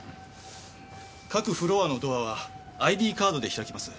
各フロアのドアはＩＤカードで開きます。